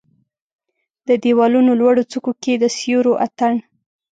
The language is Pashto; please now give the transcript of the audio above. د د یوالونو لوړو څوکو کې د سیورو اټن